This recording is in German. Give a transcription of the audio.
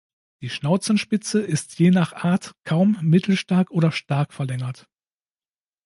Die Schnauzenspitze ist je nach Art kaum, mittelstark oder stark verlängert.